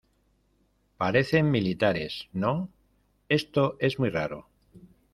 parecen militares, ¿ no? esto es muy raro.